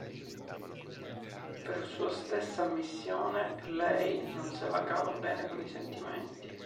Per sua stessa ammissione lei "non se la cava bene con i sentimenti".